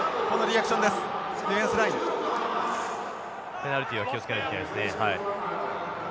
ペナルティは気を付けないといけないですね。